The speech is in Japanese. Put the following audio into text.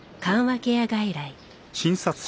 ケア外来。